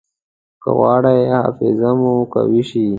که غواړئ حافظه مو قوي شي.